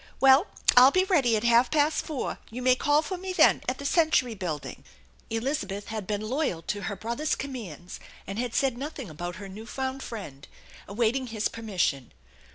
Well, I'll be ready at half past four. You may call for me then at the Century Building." Elizabeth had been loyal to her brother's commands and nad said nothing about her new found friend, awaiting his permission.